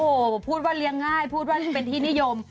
โอ้โหพูดว่าเลี้ยงง่ายพูดว่าเป็นที่นิยม